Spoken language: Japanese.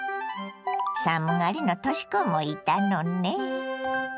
寒がりのとし子もいたのね。